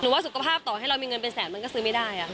ว่าสุขภาพต่อให้เรามีเงินเป็นแสนมันก็ซื้อไม่ได้